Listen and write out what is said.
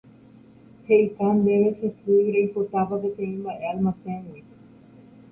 He'ika ndéve che sy reipotápa peteĩ mba'e almacéngui